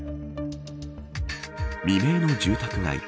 未明の住宅街。